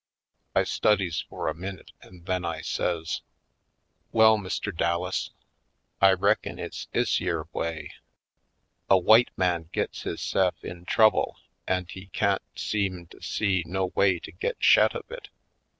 I studies for a minute and then I says: "Well, Mr. Dallas, I reckin it's 'is yere way: A w'ite man gits hisse'f in trouble an' he can't seem to see no way to git shet of it.